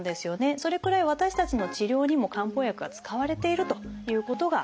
それくらい私たちの治療にも漢方薬は使われているということが分かります。